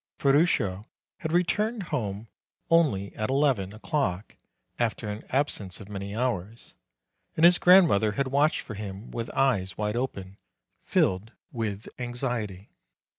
Ferruccio had returned home only at eleven o'clock, after an absence of many hours, and his grand mother had watched for him with eyes wide open, filled with anxiety.